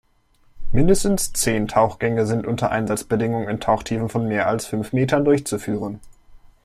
Mindestens zehn Tauchgänge sind unter Einsatzbedingungen in Tauchtiefen von mehr als fünf Metern durchzuführen.